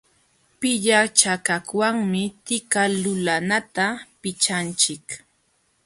Pillachakaqwanmi tika lulanata pichanchik.